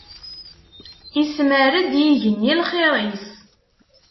Ismar-d yigenni lxir-is.